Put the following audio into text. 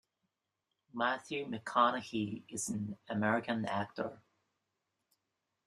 Matthew McConaughey is an American actor.